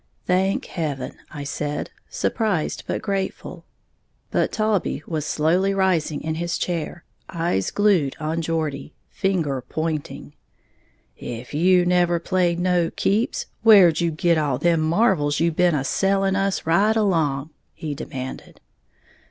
"Thank heaven," I said, surprised but grateful. But Taulbee was slowly rising in his chair, eyes glued on Geordie, finger pointing. "'F you never played no keeps, where'd you git all them marvles you been a selling us right along?" he demanded.